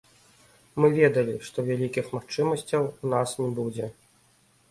Мы ведалі, што вялікіх магчымасцяў у нас не будзе.